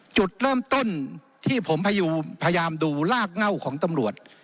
จุดเริ่มต้นที่ผมพยายามดูลากเง่าของตำรวจ